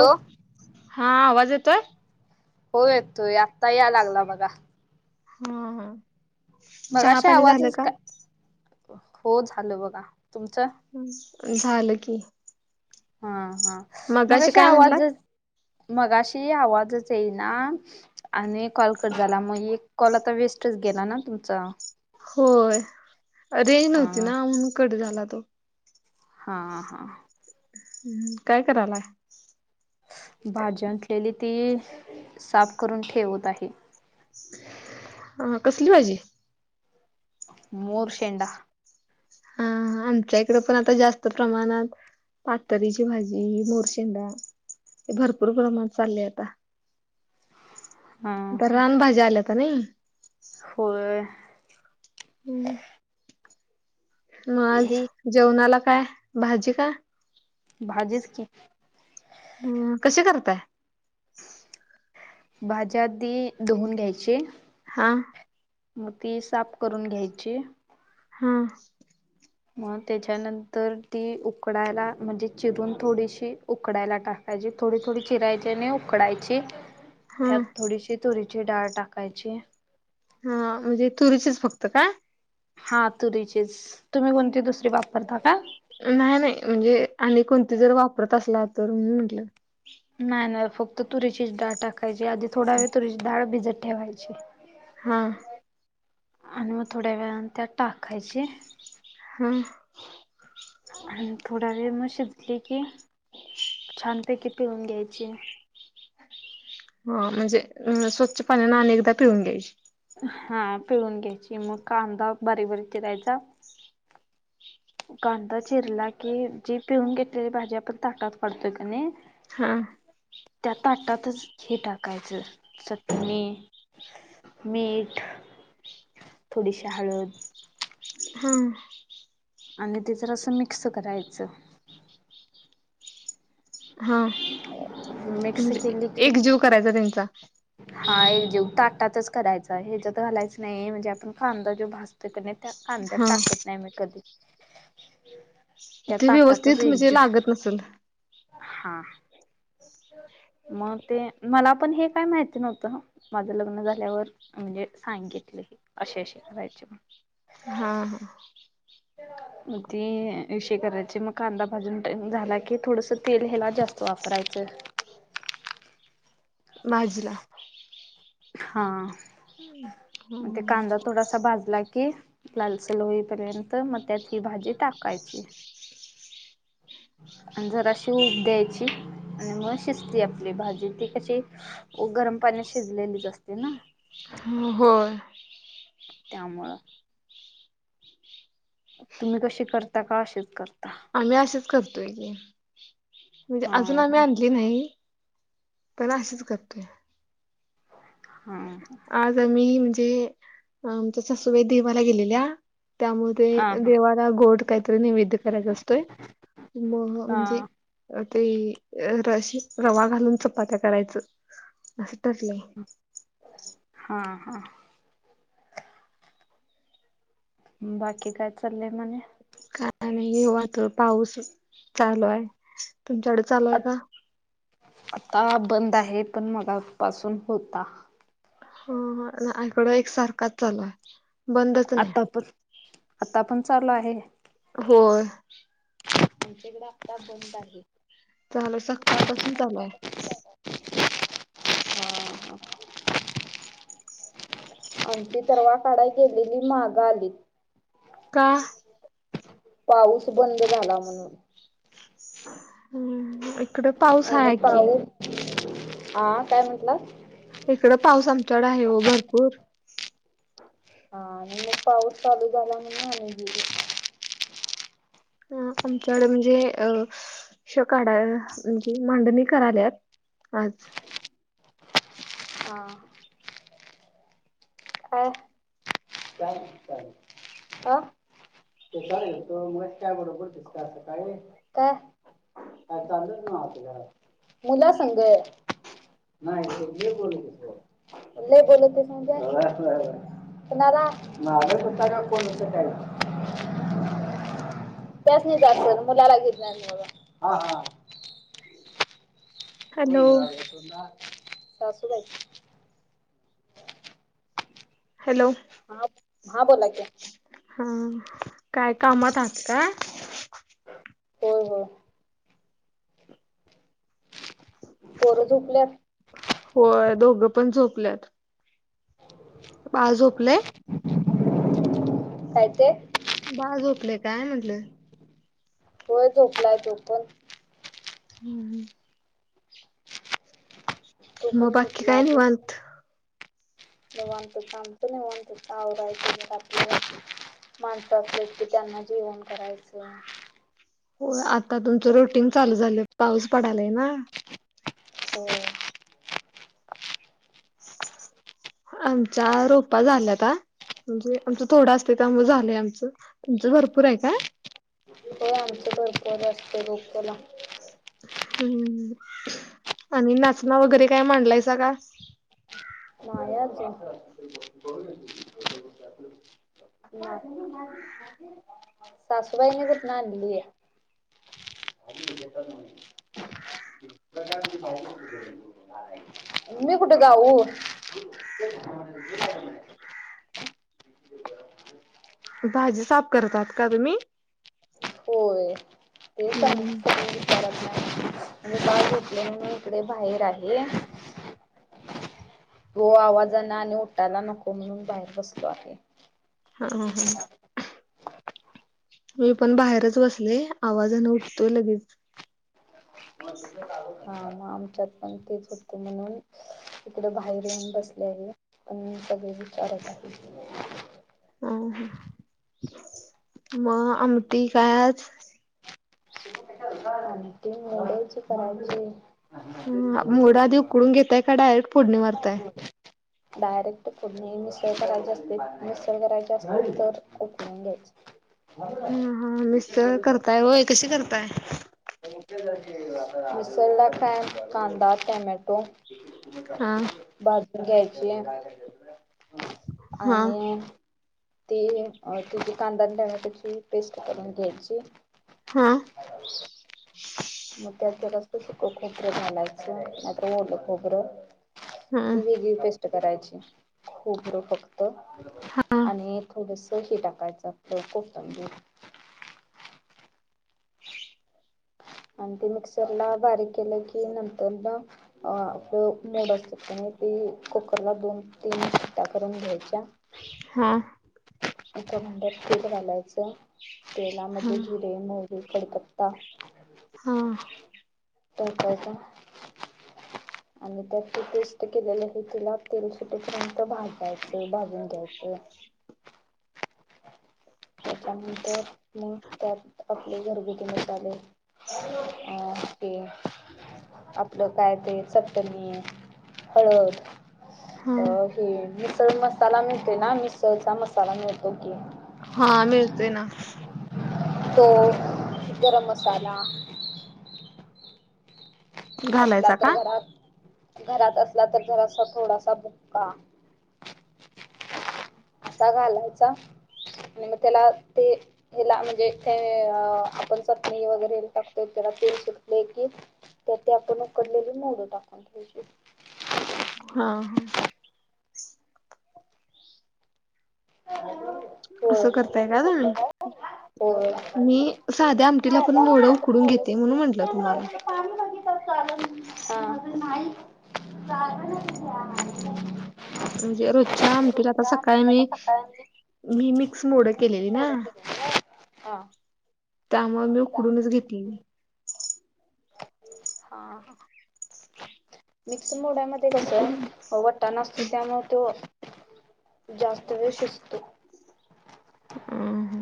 Hello हा आवाज येतोय? हो येतोय आत्ता याय लागला बघा हं ह मगाशी आवाजच का हो झालं बघा, तुमचं अम झालं की हा हा मगाशी काय म्हटलात आवाजच, मगाशी आवाजच येईना. आणि कॉल कट झाला म एक कॉल आता वेस्टच गेला ना तुमचा होय. रेंज नव्हती हा ना म्हणून कट झाला तो हां हां हम्म काय कराला? भाजी आणलेली ती साफ करून ठेवत आहे. अ कसली भाजी? मोर शेंडा हा आमच्या इकड पण, आता जास्त प्रमाणात पातरीची भाजी, मोरशेंडा हे भरपूर प्रमाणात चालय आता हा आता हा रानभज्या आल्यात न होय. हम्म, म आज हे जेवणाला काय? भाजी काय? भाजीच की हम्म कशी करताय? भाज्या आधी धुवून घ्यायचे. हां. मग ती साफ करून घ्यायची. हां. मग त्याच्यानंतर ती उकडायला म्हणजे चिरून थोडीशी उकडायला टाक त्याजे थोडी- थोडी चिरायची आणि उकडायची. [inaudible] त्यात थोडीशी तुरीची डाळ टाकायची. हा म्हणजे तुरीचेच फक्त काय? हा तुरीचीच तुम्ही कोणती दुसरी वापरता का? नाही- नाही म्हणजे आणि कोणती जर वापरत असला तर म्हंटलं. नाही- नाही. फक्त तुरीचीच डाळ टाकायची आधी थोड वेळ तुरीची डाळ भिजत ठेवायची. हा. आणि मग थोड्या वेळान त्यात टाकायची. हा. थोडा वेळ मग शिजली की [unintelligible] ती पिळून घ्यायची. हा म्हणजे स्वच्छ पाण्याने अनेकदा पिळून घ्यायची. हा पिळून घ्यायची. मग कांदा बारीक बारीक चिरायचा कांदा चिरला की जी पिळून घेतलेली भाजी आपण ताटात काढतोय की नाही. हा. त्या ताटातच हे टाकायचं चटणी मीठ थोडीशी हळद. हा. आणि ते जर असं मिक्स करायचं. हा मिक्स म्हणजे केली की एक जीव करायचा त्यांच्या हा एकजीव ताटातच करायचा ह्याच्यात तर घालायच नाही म्हणजे आपण कांदा जो भाजतो. म त्या कांद्यात हा टाकत नाही मी कधी. त्या ते ताटातच व्यवस्थित म्हणजे एकजीव लागत नसेल. हा. [inaudible] मग ते मला पण हे काय माहिती नव्हतं. माझं लग्न झाल्यावर म्हणजे मला सांगीतले असे -असे करायचे. हा -हा. मग ते करायचे मग कांदा भाजून ट झाला की थोडस तेल ह्याला जास्त वापरायचं. भाजीला. हां. हम्म. भाजला कि लालसल होईपर्यंत मग त्यात ती भाजी टाकायची. आणि जराशी उब द्यायची आणि मग शिजती आपली भाजी ती कशी गरम पाण्यात शिजलेलीच असते ना. होय. त्यामुळं. तुम्ही कशी करता का अशीच करता? आम्ही असेच करतोय. म्हणजे अजून हा आम्ही हा आण ते नाही, पहिला असशीच करत्या. हम्म त मी म्हणजे आमच्या सासूबाई देवाला गेलेल्या, त्यामध्ये हा हा देवा त्याला गोड काय तर नैवेद्य करायचा असतोय म म्हणजे हा तेअ रशीत रवा घालून चपात्या करायचं, असं ठरलंय. [unintelligible] हां हां बाकी काय चाललंय म्हणे? काय आता नाही ओ पाऊस चालू आहे तुमच्याकड चालू आहे का? आता बंद आहे, पण मगापासून होता. हा हा इकड एक सारखाच चालू हाय. आता पण, आता पण चालू आहे होय आमच्या इकडं आता बंद आहे. झाल, सकाळ पासून चालू हाय. हा हा आमची परवा काढाय गेलेली माग आलीत. का? पाऊस बंद झाला म्हणून. हा अ आणि पाऊस, हा काय म्हंटलात? इकड पाऊस आमच्याकड आहे हो भरपूर. हा आणि मग पाऊस चालू झाला म्हणून आणि गेलीत. अ आमच्याकडे म्हणजे अ श काढाय म्हणजे मांडणी कराल्यात, आज हां काय? काय नाही, चाललं, आ ते चहा पीत होतो, मगाशी चहा बनवत होतीस काय आज सकाळी, काय? काय चालतच न्हवती घरात? मुला संग? नाही एक क्लिप बघत होतो. लय बोलतोस म्हणजे, [inaudible] कुणाला, माझं [inaudible] त्यासनी जायचं मुलाला घेतल्यामुळ, हा हा कोण हॅलो [unintelligible] सासुबाई हॅलो हां, हां बोला की हा काय कामात आहात का? हो हो पोरं झोपल्यात? व्हय, दोघं पण झोपल्यात. बाळ झोपलय? काय ते? बाळ झोपलय काय म्हंटल? व्हय, झोपलाय तो पण. हम्म हम्. तो मग पण बाकी झोपला काय आहे निवांत. निवांतच आमच निवांतच आवरायचं घरातल. माणसं असलेत की त्यांना जेवन करायचं. हो आता तुमचं रुटीन चालू झालं पाऊस पडालय ना. होय. आमचा रोपा झाल्याता. म्हणजे आमचं थोडा असतंय त्यामुळं झालंय आमचं. तुमचं भरपूर आय काय? होय आमचं भरपूर असत रोकला. हम्म, आणि नाचना वगैरे काय मांडलायसा का? द्याचे [unintelligible] [unintelligible] सासूबाईनी कुठना आणली? [unintelligible] मी कुठ जाऊ? [unintelligible] भाजी साफ करत आहात का तुम्ही? होय. ते सांग हम्. घेतलेल मी इकडे बाहेर आहे. तो आवाजान आणि उटायला नको म्हणून बाहेर बसलो आहे. हा हा. मी पण बाहेरच बसले आवाजान उठतोय लगीच. हा आमच्यात पण तेच होत म्हणून इकडे बाहेर येऊन बसलिया मी. आणि सगळे विचारत आहेत. हा हम्म, म आमटी काय आज? आमटी मोड्याची करायची. मोड आधी उकडून घेताय का डायरेक्ट फोडणी मारताय? डायरेक्ट फोडणी मिसळ करायची असते मिसळ करायची असतील तर उकडून घ्या हम् हम्, मिसळ करताय व्हय कशी करताय? मिसळला काय कांदा, टमॅटो हा भाजून घ्यायची हा आणि ती अ त्याची कांदान, टमॅटोची पेस्ट करून घ्यायची. हा. मग त्याच्यात अस सुक खोबरं घालायचं नायतर ओल खोबरं. हा ती वेगळी पेस्ट करायची खोबर फक्त हा आणि थोडस ही टाकायचं आपलं कोथंबीर. आणि ते मिक्सरला बारीक केलं की नंतर न अ -आपलं मोड असत त्याने ते कुकरला दोन तीन शिट्ट्या करून घ्यायच्या. हा. कप डप तेच घालायचं हा तेलामध्ये जिर मोहरी, कडीपत्ता हा. टाकायचा आणि त्यात ती पेस्ट केलेली आहे तिला तेल सुटीपर्यंत भाजायचं भाजून घ्यायचं. त्याच्यानंतर मग त्यात आपले घरगुत मसाले. ह. ते. आपलं काय ते चटणी हळद हा अ हे मिसळ मसाला मिळतेय, ना मिसळचा मसाला मिळतो की. हा मिळतो, ना तो गरम मसाला असला घालायचा तर का? घरात घरात असला तर जरासा थोडासा बुक्का. असा घालायचा आणि मग त्याला ते हिला म्हणजे ते आपण चटणी वगैरे टाकतोय त्याला ते शिकले की. त्यात, ते आपण उकडलेली मोड टाकून घ्यायची. हा ह असं करताय का तुम्ही होय मी. साध्या आमटीला पण मोडं उकडून घेते म्हणून म्हटलं तुम्हाला. पाणी बघितात आलं, नाही [unintelligible] म्हणजे रोजच्या आमटीला आता रोजच्या सकाळी आमटीत आता मी सकाळी मी मिक्स मोड केलेली ना. केलेली ना हा. त्यामुळे मी उकडूनच घेतली. हा हा मिक्स मोड्यामध्ये कसं उकडून वट तान, असतो त्यामुळे तो जास्त वेळ शिजतो हा हा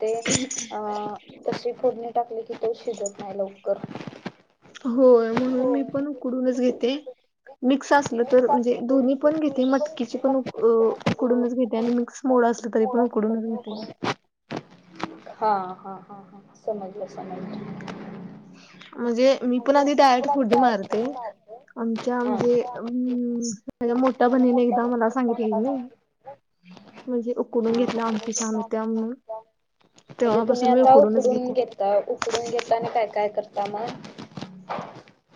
ते अं तशी फोडणी टाकली की तो शिजत नाही लवकर. होय म्हणून मी पण उकडूनच घेते. मिक्स असलं तर म्हणजे दोन्ही पण घेते मटकीची पण उकडूनच घेते आणि मिक्स. मोड असलं तरी पण उकडूनच घेते. हा हा हा हा समजलं समजलं. म्हणजे मी पण म्हणजे आधी डायरेक्ट पण आधी फुडणी काय मारते आमच्या हा. म्हणजे, त्या हुं, माझ्या, मोठ्या मला बहिणीने एकदा मला बहिणीने काय सांगितलेली मला नाही. सांगितलं म्हणजे उकडून घेतल्या आमटी छान होत्या म्हणून. म्हणजे तुम्ही तेव्हापासून मी आता उकडूनच घेते. उकडून घेता उकडून घेता आणि काय काय करता मग.